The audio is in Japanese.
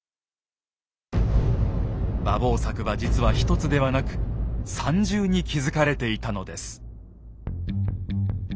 馬防柵は実は一つではなく３重に築かれていたのです。